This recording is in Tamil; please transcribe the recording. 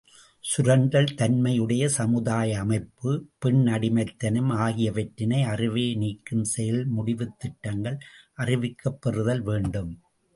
சுரண்டல் தன்மையுடைய சமுதாய அமைப்பு, பெண்ணடிமைத்தனம் ஆகியவற்றினை அறவே நீக்கும் செயல் முடிவுத் திட்டங்கள் அறிவிக்கப் பெறுதல் வேண்டும்.